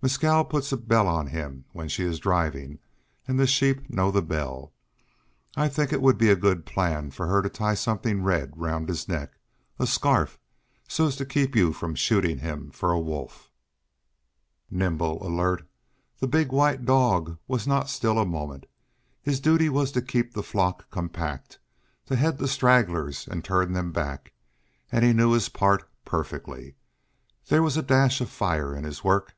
Mescal puts a bell on him when she is driving, and the sheep know the bell. I think it would be a good plan for her to tie something red round his neck a scarf, so as to keep you from shooting him for a wolf." Nimble, alert, the big white dog was not still a moment. His duty was to keep the flock compact, to head the stragglers and turn them back; and he knew his part perfectly. There was dash and fire in his work.